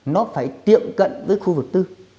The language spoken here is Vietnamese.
nó phải tiệm cận với khu vực tư